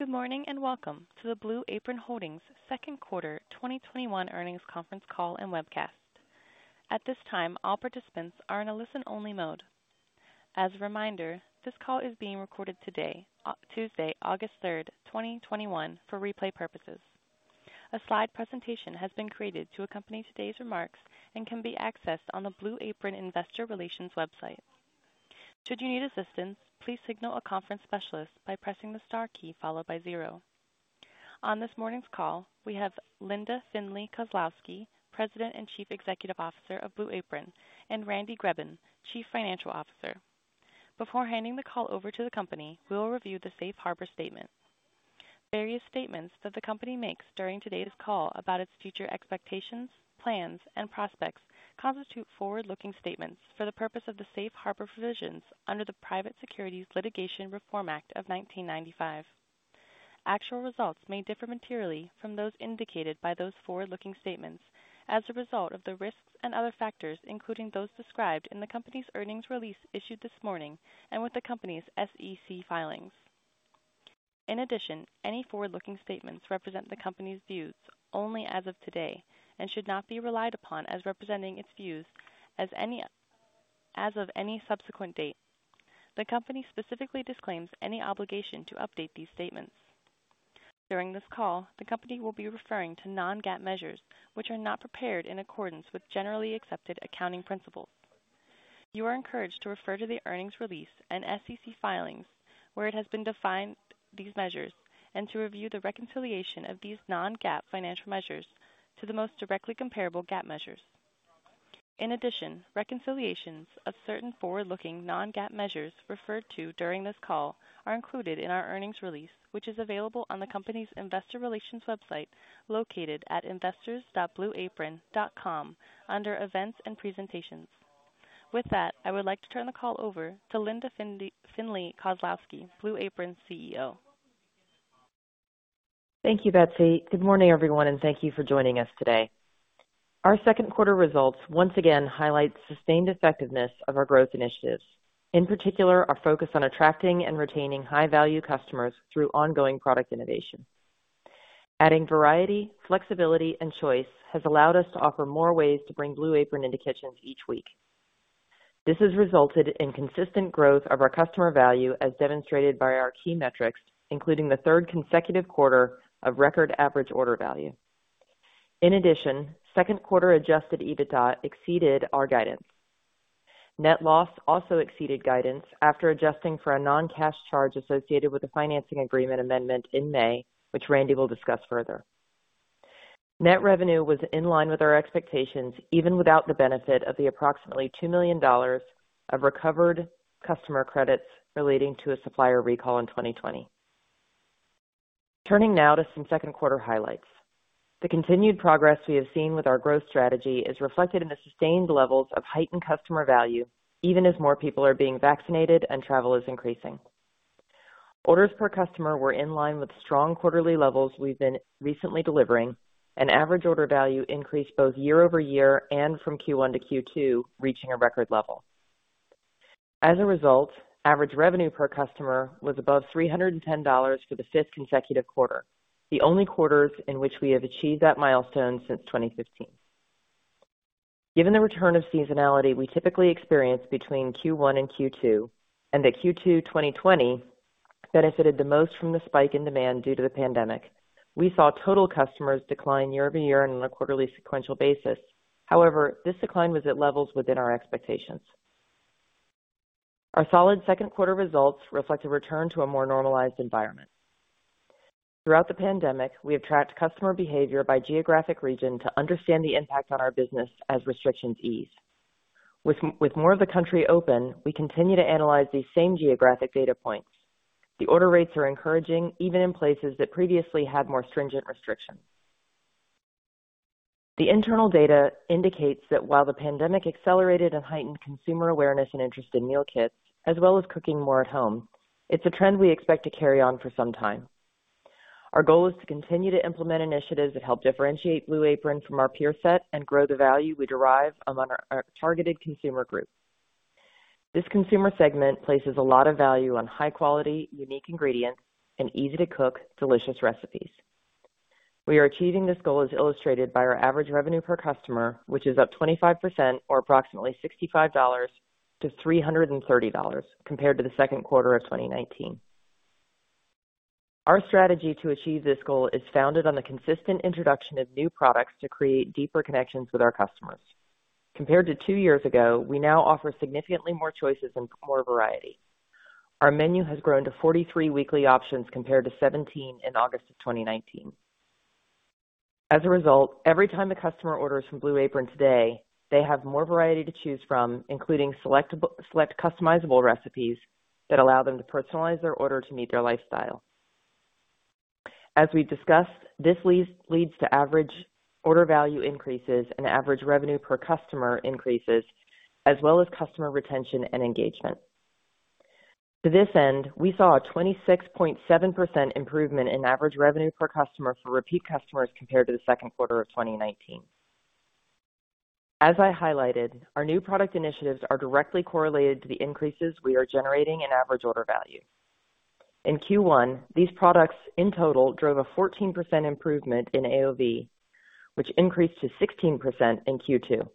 Good morning, and welcome to the Blue Apron Holdings second quarter 2021 Earnings Conference Call and Webcast. At this time, all participants are in a listen-only mode. As a reminder, this call is being recorded today, Tuesday, August 3rd, 2021, for replay purposes. A slide presentation has been created to accompany today's remarks and can be accessed on the Blue Apron investor relations website. To gain assistance, please signal a conference specialist by pressing the star key followed by zero. On this morning's call, we have Linda Findley Kozlowski, President and Chief Executive Officer of Blue Apron, Randy Greben, Chief Financial Officer. Before handing the call over to the company, we will review the safe harbor statement. Various statements that the company makes during today's call about its future expectations, plans, and prospects constitute forward-looking statements for the purpose of the safe harbor provisions under the Private Securities Litigation Reform Act of 1995. Actual results may differ materially from those indicated by those forward-looking statements as a result of the risks and other factors, including those described in the company's earnings release issued this morning and with the company's SEC filings. In addition, any forward-looking statements represent the company's views only as of today and should not be relied upon as representing its views as of any subsequent date. The company specifically disclaims any obligation to update these statements. During this call, the company will be referring to non-GAAP measures, which are not prepared in accordance with Generally Accepted Accounting Principles. You are encouraged to refer to the earnings release and SEC filings, where it has been defined these measures, and to review the reconciliation of these non-GAAP financial measures to the most directly comparable GAAP measures. In addition, reconciliations of certain forward-looking non-GAAP measures referred to during this call are included in our earnings release, which is available on the company's investor relations website, located at investors.blueapron.com under Events and Presentations. With that, I would like to turn the call over to Linda Findley Kozlowski, Blue Apron's CEO. Thank you, Betsy. Good morning, everyone, thank you for joining us today. Our second quarter results once again highlight sustained effectiveness of our growth initiatives, in particular, our focus on attracting and retaining high-value customers through ongoing product innovation. Adding variety, flexibility, and choice has allowed us to offer more ways to bring Blue Apron into kitchens each week. This has resulted in consistent growth of our customer value as demonstrated by our key metrics, including the third consecutive quarter of record average order value. In addition, second quarter adjusted EBITDA exceeded our guidance. Net loss also exceeded guidance after adjusting for a non-cash charge associated with the financing agreement amendment in May, which Randy will discuss further. Net revenue was in line with our expectations, even without the benefit of the approximately $2 million of recovered customer credits relating to a supplier recall in 2020. Turning now to some second quarter highlights. The continued progress we have seen with our growth strategy is reflected in the sustained levels of heightened customer value, even as more people are being vaccinated and travel is increasing. Orders per customer were in line with strong quarterly levels we've been recently delivering, and average order value increased both year-over-year and from Q1 to Q2, reaching a record level. As a result, average revenue per customer was above $310 for the fifth consecutive quarter, the only quarters in which we have achieved that milestone since 2015. Given the return of seasonality we typically experience between Q1 and Q2, and that Q2 2020 benefited the most from the spike in demand due to the pandemic, we saw total customers decline year-over-year on a quarterly sequential basis. However, this decline was at levels within our expectations. Our solid second quarter results reflect a return to a more normalized environment. Throughout the pandemic, we have tracked customer behavior by geographic region to understand the impact on our business as restrictions ease. With more of the country open, we continue to analyze these same geographic data points. The order rates are encouraging, even in places that previously had more stringent restrictions. The internal data indicates that while the pandemic accelerated and heightened consumer awareness and interest in meal kits, as well as cooking more at home, it's a trend we expect to carry on for some time. Our goal is to continue to implement initiatives that help differentiate Blue Apron from our peer set and grow the value we derive among our targeted consumer group. This consumer segment places a lot of value on high quality, unique ingredients, and easy-to-cook, delicious recipes. We are achieving this goal as illustrated by our average revenue per customer, which is up 25%, or approximately $65 to $330, compared to the second quarter of 2019. Our strategy to achieve this goal is founded on the consistent introduction of new products to create deeper connections with our customers. Compared to two years ago, we now offer significantly more choices and more variety. Our menu has grown to 43 weekly options compared to 17 in August of 2019. As a result, every time a customer orders from Blue Apron today, they have more variety to choose from, including select customizable recipes that allow them to personalize their order to meet their lifestyle. As we discussed, this leads to average order value increases and average revenue per customer increases, as well as customer retention and engagement. To this end, we saw a 26.7% improvement in average revenue per customer for repeat customers compared to the second quarter of 2019. As I highlighted, our new product initiatives are directly correlated to the increases we are generating in average order value. In Q1, these products, in total, drove a 14% improvement in AOV, which increased to 16% in Q2.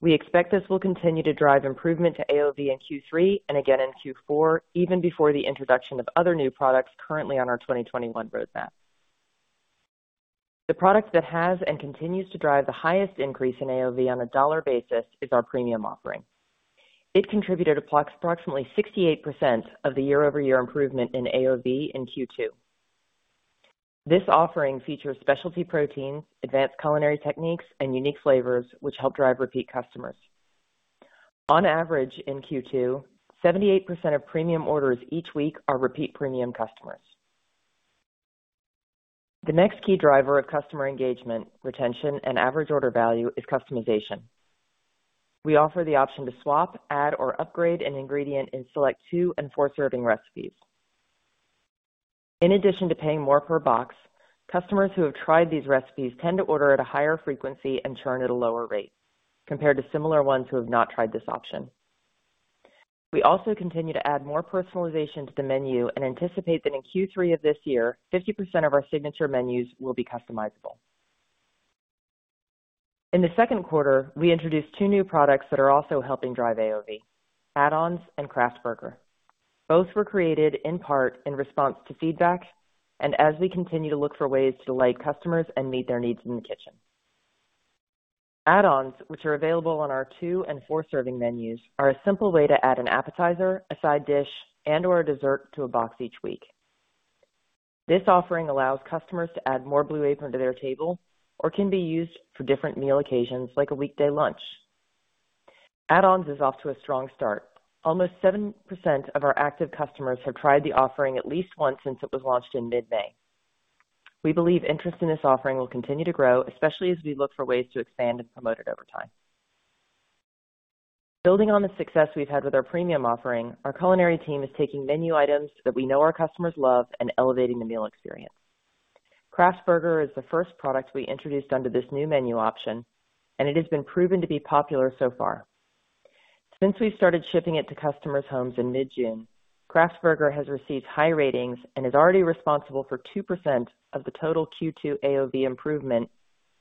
We expect this will continue to drive improvement to AOV in Q3 and again in Q4, even before the introduction of other new products currently on our 2021 roadmap. The product that has and continues to drive the highest increase in AOV on a dollar basis is our premium offering. It contributed approximately 68% of the year-over-year improvement in AOV in Q2. This offering features specialty proteins, advanced culinary techniques, and unique flavors, which help drive repeat customers. On average in Q2, 78% of premium orders each week are repeat premium customers. The next key driver of customer engagement, retention, and average order value is customization. We offer the option to swap, add, or upgrade an ingredient in select two and four-serving recipes. In addition to paying more per box, customers who have tried these recipes tend to order at a higher frequency and churn at a lower rate compared to similar ones who have not tried this option. We also continue to add more personalization to the menu and anticipate that in Q3 of this year, 50% of our signature menus will be customizable. In the second quarter, we introduced two new products that are also helping drive AOV, Add-ons and Craft Burger. Both were created, in part, in response to feedback and as we continue to look for ways to delight customers and meet their needs in the kitchen. Add-ons, which are available on our two and four-serving menus, are a simple way to add an appetizer, a side dish, and/or a dessert to a box each week. This offering allows customers to add more Blue Apron to their table or can be used for different meal occasions, like a weekday lunch. Add-ons is off to a strong start. Almost 7% of our active customers have tried the offering at least once since it was launched in mid-May. We believe interest in this offering will continue to grow, especially as we look for ways to expand and promote it over time. Building on the success we've had with our premium offering, our culinary team is taking menu items that we know our customers love and elevating the meal experience. Craft Burger is the first product we introduced under this new menu option, and it has been proven to be popular so far. Since we started shipping it to customers' homes in mid-June, Craft Burger has received high ratings and is already responsible for 2% of the total Q2 AOV improvement,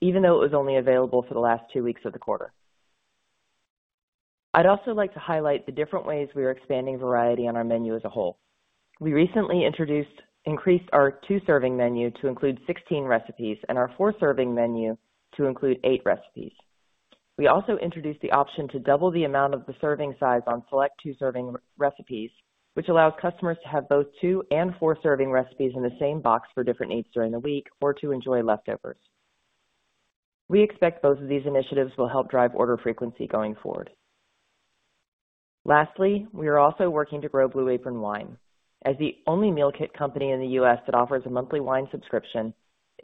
even though it was only available for the last two weeks of the quarter. I'd also like to highlight the different ways we are expanding variety on our menu as a whole. We recently increased our two-serving menu to include 16 recipes and our four-serving menu to include eight recipes. We also introduced the option to double the amount of the serving size on select two-serving recipes, which allows customers to have both two and four-serving recipes in the same box for different needs during the week or to enjoy leftovers. We expect both of these initiatives will help drive order frequency going forward. Lastly, we are also working to grow Blue Apron Wine. As the only meal kit company in the U.S. that offers a monthly wine subscription,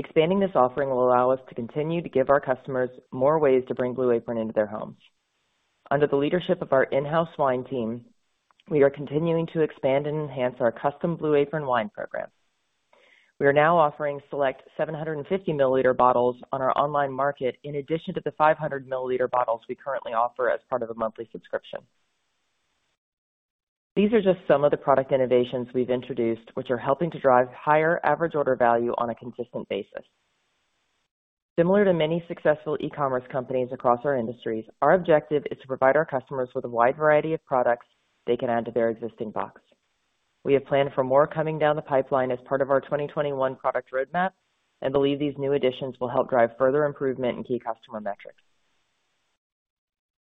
expanding this offering will allow us to continue to give our customers more ways to bring Blue Apron into their homes. Under the leadership of our in-house wine team, we are continuing to expand and enhance our custom Blue Apron Wine program. We are now offering select 750 ml bottles on our online market in addition to the 500 ml bottles we currently offer as part of a monthly subscription. These are just some of the product innovations we've introduced, which are helping to drive higher average order value on a consistent basis. Similar to many successful e-commerce companies across our industries, our objective is to provide our customers with a wide variety of products they can add to their existing box. We have planned for more coming down the pipeline as part of our 2021 product roadmap and believe these new additions will help drive further improvement in key customer metrics.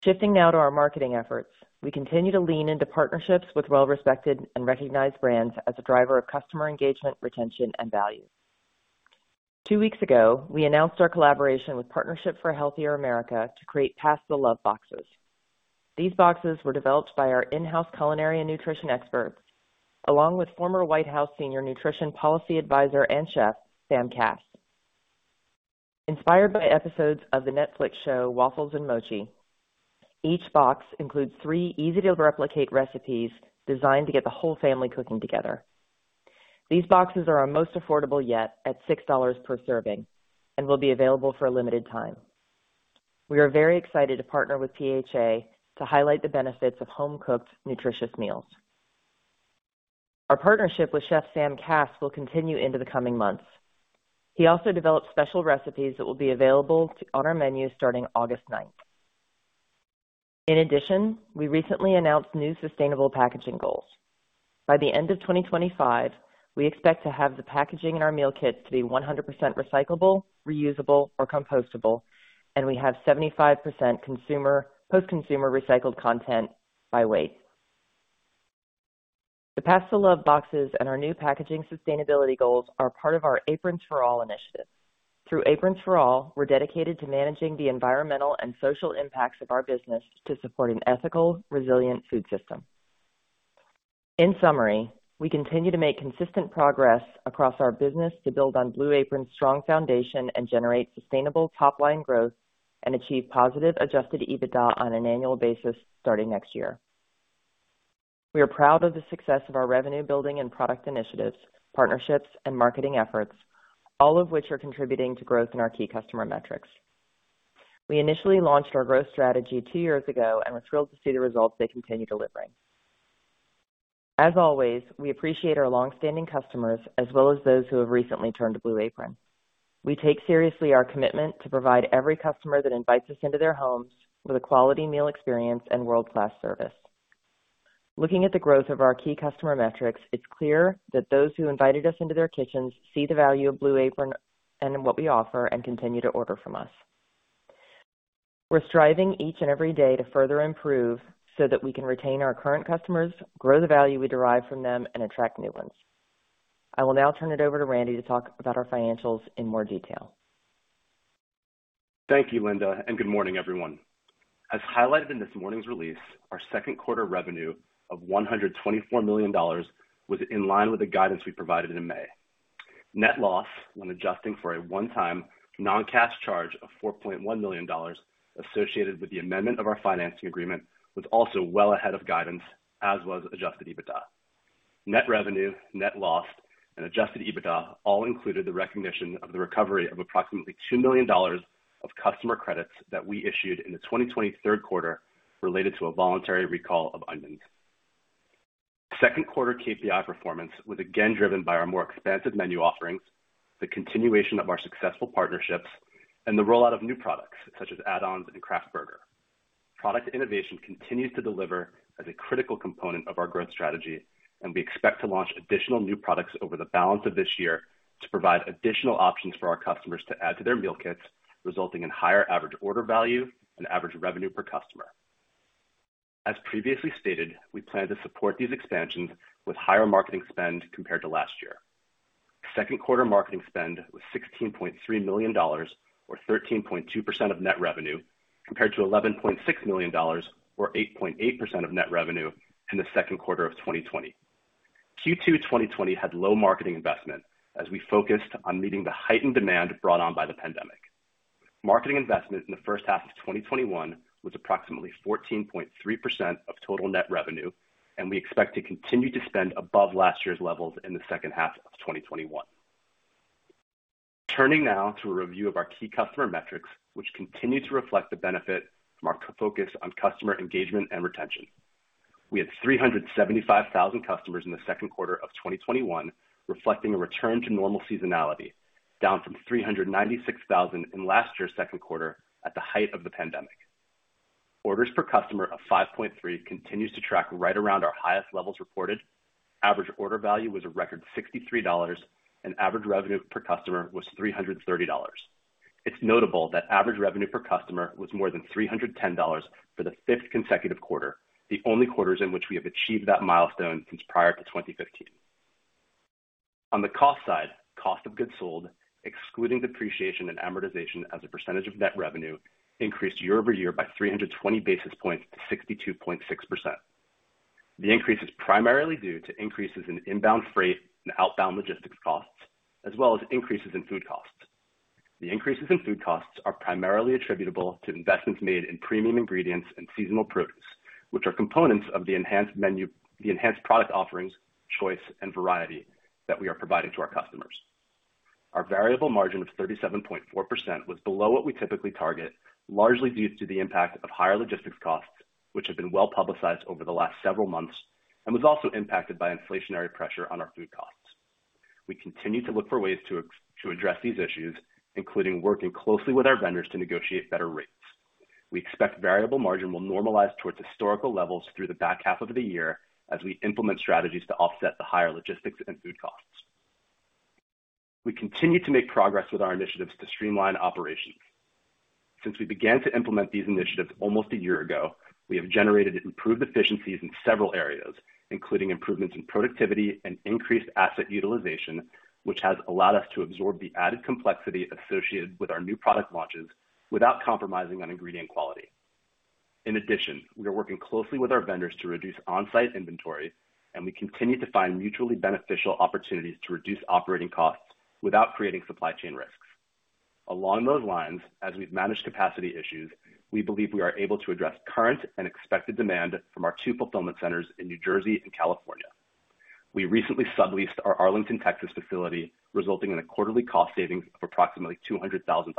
Shifting now to our marketing efforts. We continue to lean into partnerships with well-respected and recognized brands as a driver of customer engagement, retention, and value. Two weeks ago, we announced our collaboration with Partnership for a Healthier America to create Pass the Love boxes. These boxes were developed by our in-house culinary and nutrition experts, along with former White House Senior Nutrition Policy Advisor and chef, Sam Kass. Inspired by episodes of the Netflix show Waffles + Mochi, each box includes three easy-to-replicate recipes designed to get the whole family cooking together. These boxes are our most affordable yet at $6 per serving and will be available for a limited time. We are very excited to partner with PHA to highlight the benefits of home-cooked, nutritious meals. Our partnership with Chef Sam Kass will continue into the coming months. He also developed special recipes that will be available on our menu starting August 9th. In addition, we recently announced new sustainable packaging goals. By the end of 2025, we expect to have the packaging in our meal kits to be 100% recyclable, reusable, or compostable, and we have 75% post-consumer recycled content by weight. The Pass the Love boxes and our new packaging sustainability goals are part of our Aprons for All initiative. Through Aprons for All, we're dedicated to managing the environmental and social impacts of our business to support an ethical, resilient food system. In summary, we continue to make consistent progress across our business to build on Blue Apron's strong foundation and generate sustainable top-line growth and achieve positive adjusted EBITDA on an annual basis starting next year. We are proud of the success of our revenue building and product initiatives, partnerships, and marketing efforts, all of which are contributing to growth in our key customer metrics. We initially launched our growth strategy two years ago, and we're thrilled to see the results they continue delivering. As always, we appreciate our longstanding customers, as well as those who have recently turned to Blue Apron. We take seriously our commitment to provide every customer that invites us into their homes with a quality meal experience and world-class service. Looking at the growth of our key customer metrics, it's clear that those who invited us into their kitchens see the value of Blue Apron and in what we offer and continue to order from us. We're striving each and every day to further improve so that we can retain our current customers, grow the value we derive from them, and attract new ones. I will now turn it over to Randy to talk about our financials in more detail. Thank you, Linda, and good morning, everyone. As highlighted in this morning's release, our second quarter revenue of $124 million was in line with the guidance we provided in May. Net loss, when adjusting for a one-time non-cash charge of $4.1 million associated with the amendment of our financing agreement, was also well ahead of guidance, as was adjusted EBITDA. Net revenue, net loss, and adjusted EBITDA all included the recognition of the recovery of approximately $2 million of customer credits that we issued in the 2020 third quarter related to a voluntary recall of onions. Second quarter KPI performance was again driven by our more expansive menu offerings, the continuation of our successful partnerships, and the rollout of new products, such as Add-ons and Craft Burger. Product innovation continues to deliver as a critical component of our growth strategy, and we expect to launch additional new products over the balance of this year to provide additional options for our customers to add to their meal kits, resulting in higher average order value and average revenue per customer. As previously stated, we plan to support these expansions with higher marketing spend compared to last year. Second quarter marketing spend was $16.3 million, or 13.2% of net revenue, compared to $11.6 million, or 8.8% of net revenue in the second quarter of 2020. Q2 2020 had low marketing investment as we focused on meeting the heightened demand brought on by the pandemic. Marketing investment in the first half of 2021 was approximately 14.3% of total net revenue, and we expect to continue to spend above last year's levels in the second half of 2021. Turning now to a review of our key customer metrics, which continue to reflect the benefit from our focus on customer engagement and retention. We had 375,000 customers in the second quarter of 2021, reflecting a return to normal seasonality, down from 396,000 in last year's second quarter at the height of the pandemic. Orders per customer of 5.3 continues to track right around our highest levels reported. Average Order Value was a record $63, and Average Revenue per Customer was $330. It's notable that Average Revenue per Customer was more than $310 for the fifth consecutive quarter, the only quarters in which we have achieved that milestone since prior to 2015. On the cost side, cost of goods sold, excluding depreciation and amortization as a percentage of net revenue, increased year-over-year by 320 basis points to 62.6%. The increase is primarily due to increases in inbound freight and outbound logistics costs, as well as increases in food costs. The increases in food costs are primarily attributable to investments made in premium ingredients and seasonal produce, which are components of the enhanced product offerings, choice, and variety that we are providing to our customers. Our variable margin of 37.4% was below what we typically target, largely due to the impact of higher logistics costs, which have been well-publicized over the last several months, and was also impacted by inflationary pressure on our food costs. We continue to look for ways to address these issues, including working closely with our vendors to negotiate better rates. We expect variable margin will normalize towards historical levels through the back half of the year as we implement strategies to offset the higher logistics and food costs. We continue to make progress with our initiatives to streamline operations. Since we began to implement these initiatives almost a year ago, we have generated improved efficiencies in several areas, including improvements in productivity and increased asset utilization, which has allowed us to absorb the added complexity associated with our new product launches without compromising on ingredient quality. In addition, we are working closely with our vendors to reduce on-site inventory, and we continue to find mutually beneficial opportunities to reduce operating costs without creating supply chain risks. Along those lines, as we've managed capacity issues, we believe we are able to address current and expected demand from our two fulfillment centers in New Jersey and California. We recently subleased our Arlington, Texas facility, resulting in a quarterly cost savings of approximately $200,000.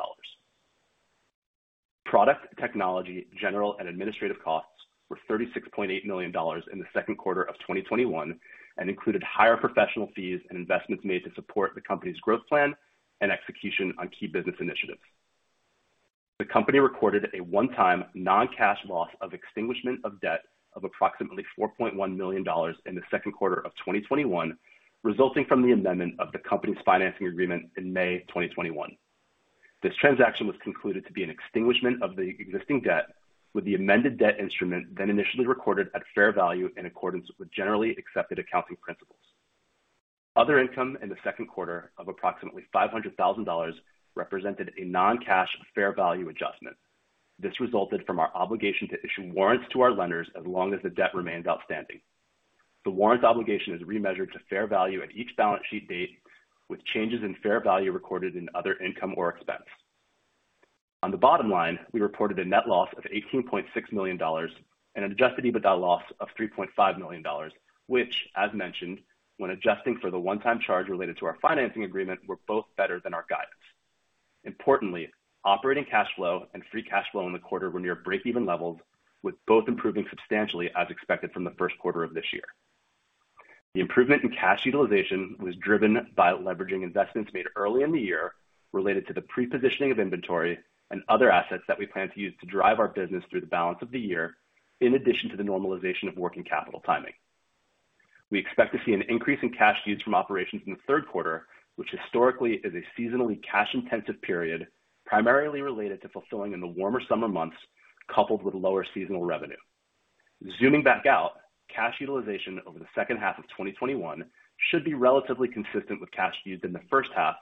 Product, technology, general, and administrative costs were $36.8 million in the second quarter of 2021 and included higher professional fees and investments made to support the company's growth plan and execution on key business initiatives. The company recorded a one-time non-cash loss of extinguishment of debt of approximately $4.1 million in the second quarter of 2021, resulting from the amendment of the company's financing agreement in May 2021. This transaction was concluded to be an extinguishment of the existing debt with the amended debt instrument then initially recorded at fair value in accordance with generally accepted accounting principles. Other income in the second quarter of approximately $500,000 represented a non-cash fair value adjustment. This resulted from our obligation to issue warrants to our lenders as long as the debt remains outstanding. The warrant obligation is remeasured to fair value at each balance sheet date, with changes in fair value recorded in other income or expense. On the bottom-line, we reported a net loss of $18.6 million and an adjusted EBITDA loss of $3.5 million, which, as mentioned, when adjusting for the one-time charge related to our financing agreement, were both better than our guidance. Importantly, operating cash flow and free cash flow in the quarter were near break-even levels, with both improving substantially as expected from the first quarter of this year. The improvement in cash utilization was driven by leveraging investments made early in the year related to the pre-positioning of inventory and other assets that we plan to use to drive our business through the balance of the year, in addition to the normalization of working capital timing. We expect to see an increase in cash used from operations in the third quarter, which historically is a seasonally cash-intensive period, primarily related to fulfilling in the warmer summer months, coupled with lower seasonal revenue. Zooming back out, cash utilization over the second half of 2021 should be relatively consistent with cash used in the first half,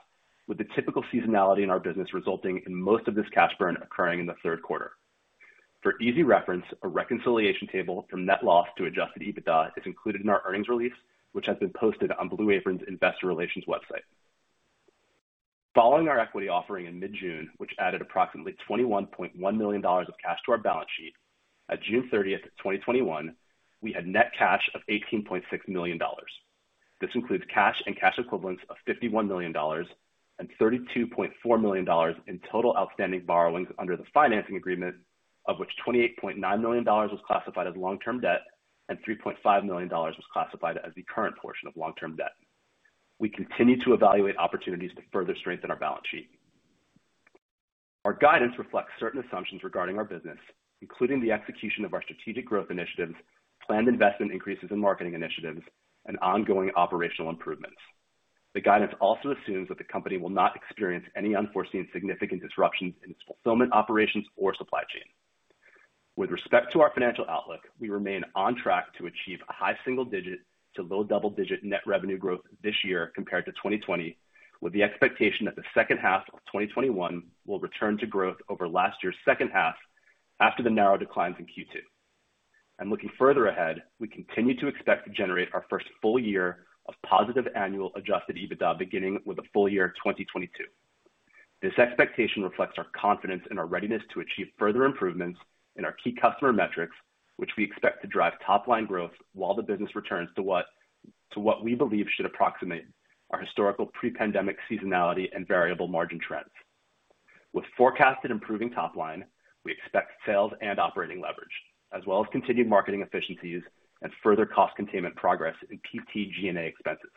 with the typical seasonality in our business resulting in most of this cash burn occurring in the third quarter. For easy reference, a reconciliation table from net loss to adjusted EBITDA is included in our earnings release, which has been posted on Blue Apron's investor relations website. Following our equity offering in mid-June, which added approximately $21.1 million of cash to our balance sheet, at June 30th, 2021, we had net cash of $18.6 million. This includes cash and cash equivalents of $51 million and $32.4 million in total outstanding borrowings under the financing agreement, of which $28.9 million was classified as long-term debt and $3.5 million was classified as the current portion of long-term debt. We continue to evaluate opportunities to further strengthen our balance sheet. Our guidance reflects certain assumptions regarding our business, including the execution of our strategic growth initiatives, planned investment increases in marketing initiatives, and ongoing operational improvements. The guidance also assumes that the company will not experience any unforeseen significant disruptions in its fulfillment operations or supply chain. With respect to our financial outlook, we remain on track to achieve a high single-digit to low double-digit net revenue growth this year compared to 2020, with the expectation that the second half of 2021 will return to growth over last year's second half after the narrow declines in Q2. Looking further ahead, we continue to expect to generate our first full-year of positive annual adjusted EBITDA beginning with the full-year 2022. This expectation reflects our confidence and our readiness to achieve further improvements in our key customer metrics, which we expect to drive top-line growth while the business returns to what we believe should approximate our historical pre-pandemic seasonality and variable margin trends. With forecasted improving top-line, we expect sales and operating leverage, as well as continued marketing efficiencies and further cost containment progress in PTG&A expenses.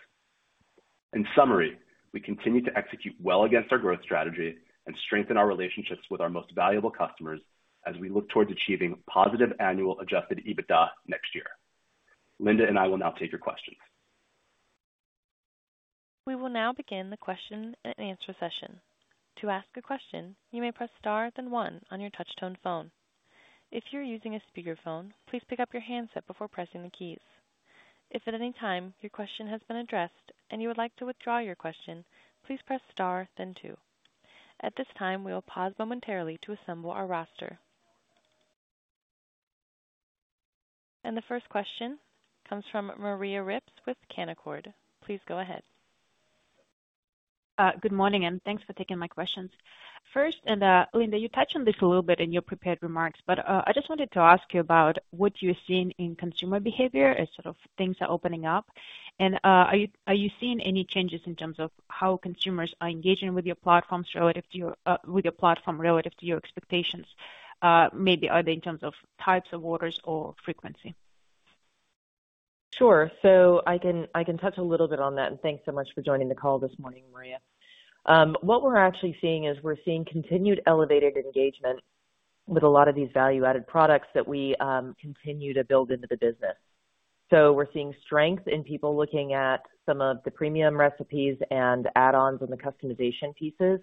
In summary, we continue to execute well against our growth strategy and strengthen our relationships with our most valuable customers as we look towards achieving positive annual adjusted EBITDA next year. Linda and I will now take your questions. We will now begin the question and answer session. To ask a question, you may press star then one on your touch tone phone. If you're using a speakerphone, please pick up your handset before pressing the keys. If at any time your question has been addressed and you would like to withdraw your question, please press star then two. At this time, we will pause momentarily to assemble our roster. The first question comes from Maria Ripps with Canaccord. Please go ahead. Good morning. Thanks for taking my questions. First, Linda, you touched on this a little bit in your prepared remarks. I just wanted to ask you about what you're seeing in consumer behavior as sort of things are opening up. Are you seeing any changes in terms of how consumers are engaging with your platform relative to your expectations? Maybe either in terms of types of orders or frequency. Sure. I can touch a little bit on that. Thanks so much for joining the call this morning, Maria. What we're actually seeing is we're seeing continued elevated engagement with a lot of these value-added products that we continue to build into the business. We're seeing strength in people looking at some of the premium recipes and Add-ons and the customization pieces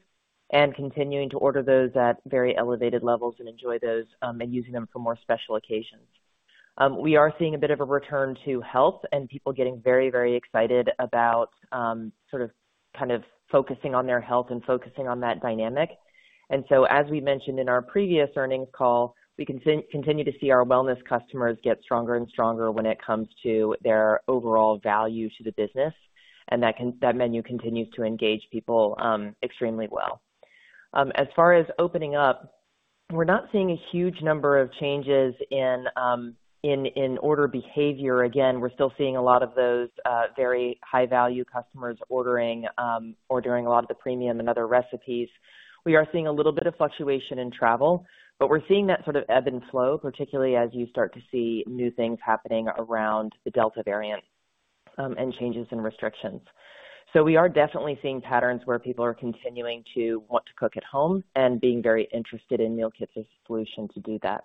and continuing to order those at very elevated levels and enjoy those, and using them for more special occasions. We are seeing a bit of a return to health and people getting very excited about kind of focusing on their health and focusing on that dynamic. As we mentioned in our previous earnings call, we continue to see our wellness customers get stronger and stronger when it comes to their overall value to the business. That menu continues to engage people extremely well. As far as opening up, we're not seeing a huge number of changes in order behavior. Again, we're still seeing a lot of those very high-value customers ordering a lot of the premium and other recipes. We are seeing a little bit of fluctuation in travel, but we're seeing that sort of ebb and flow, particularly as you start to see new things happening around the Delta variant and changes in restrictions. We are definitely seeing patterns where people are continuing to want to cook at home and being very interested in meal kits as a solution to do that.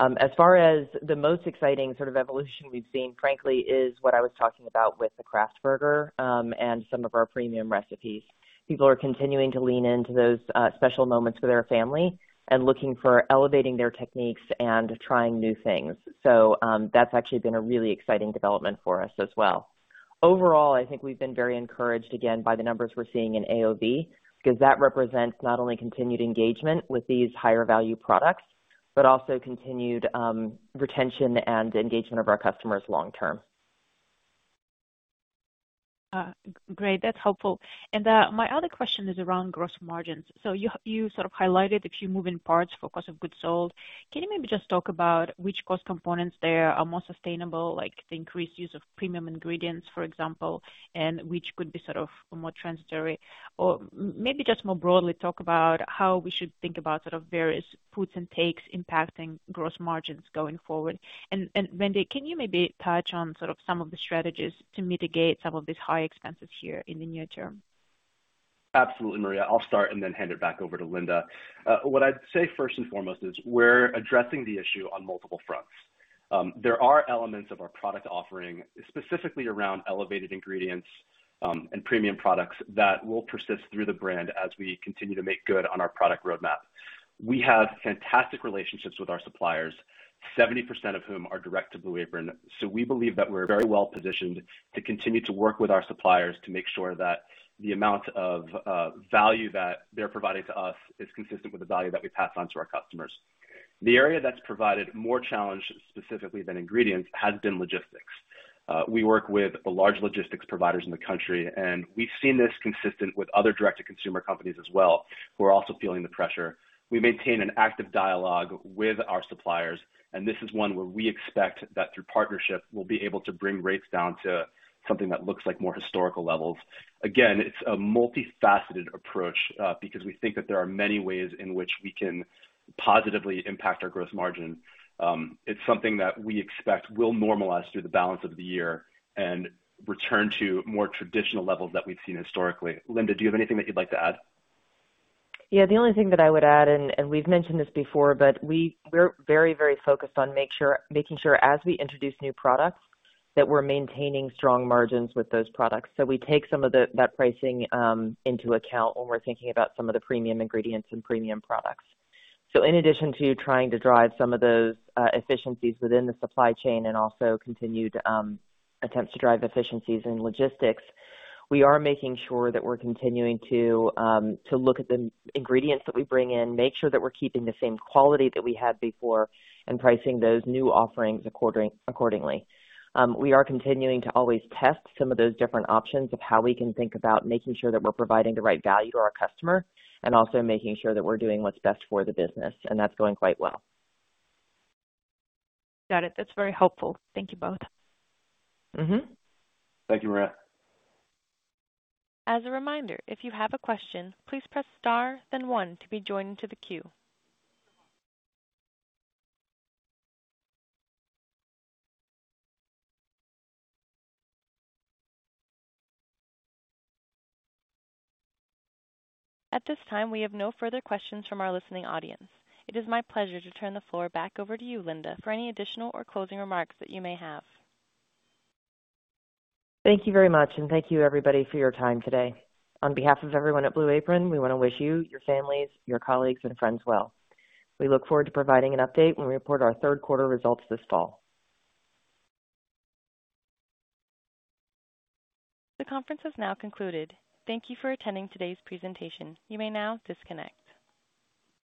As far as the most exciting sort of evolution we've seen, frankly, is what I was talking about with the Craft Burger, and some of our premium recipes. People are continuing to lean into those special moments with their family and looking for elevating their techniques and trying new things. That's actually been a really exciting development for us as well. Overall, I think we've been very encouraged again by the numbers we're seeing in AOV, because that represents not only continued engagement with these higher value products, but also continued retention and engagement of our customers long-term. Great, that's helpful. My other question is around gross margins. You highlighted a few moving parts for cost of goods sold. Can you maybe just talk about which cost components there are more sustainable, like the increased use of premium ingredients, for example, and which could be more transitory? Maybe just more broadly, talk about how we should think about various puts and takes impacting gross margins going forward. Linda, can you maybe touch on some of the strategies to mitigate some of these high expenses here in the near-term? Absolutely, Maria. I'll start and then hand it back over to Linda. What I'd say first and foremost is we're addressing the issue on multiple fronts. There are elements of our product offering, specifically around elevated ingredients, and premium products that will persist through the brand as we continue to make good on our product roadmap. We have fantastic relationships with our suppliers, 70% of whom are direct to Blue Apron. We believe that we're very well positioned to continue to work with our suppliers to make sure that the amount of value that they're providing to us is consistent with the value that we pass on to our customers. The area that's provided more challenge specifically than ingredients has been logistics. We work with the large logistics providers in the country, and we've seen this consistent with other direct-to-consumer companies as well, who are also feeling the pressure. We maintain an active dialogue with our suppliers, and this is one where we expect that through partnership, we'll be able to bring rates down to something that looks like more historical levels. Again, it's a multifaceted approach, because we think that there are many ways in which we can positively impact our gross margin. It's something that we expect will normalize through the balance of the year and return to more traditional levels that we've seen historically. Linda, do you have anything that you'd like to add? The only thing that I would add, and we've mentioned this before, but we're very focused on making sure as we introduce new products, that we're maintaining strong margins with those products. We take some of that pricing into account when we're thinking about some of the premium ingredients and premium products. In addition to trying to drive some of those efficiencies within the supply chain and also continued attempts to drive efficiencies in logistics, we are making sure that we're continuing to look at the ingredients that we bring in, make sure that we're keeping the same quality that we had before, and pricing those new offerings accordingly. We are continuing to always test some of those different options of how we can think about making sure that we're providing the right value to our customer and also making sure that we're doing what's best for the business. That's going quite well. Got it. That's very helpful. Thank you both. Thank you, Maria. As a reminder, if you have a question, please press star then one to be joined into the queue. At this time, we have no further questions from our listening audience. It is my pleasure to turn the floor back over to you, Linda, for any additional or closing remarks that you may have. Thank you very much, and thank you everybody for your time today. On behalf of everyone at Blue Apron, we want to wish you, your families, your colleagues and friends well. We look forward to providing an update when we report our third quarter results this fall. The conference has now concluded. Thank you for attending today's presentation. You may now disconnect.